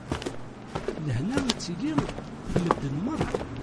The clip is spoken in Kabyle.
Lehna ad tili ɣef medden merra.